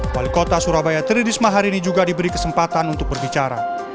wali kota surabaya tridisma hari ini juga diberi kesempatan untuk berbicara